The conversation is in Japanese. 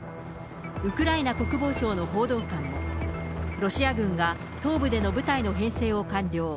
ウクライナ国防省の報道官も、ロシア軍が東部での部隊の編成を完了。